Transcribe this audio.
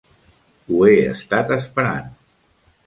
Ho he estat esperant.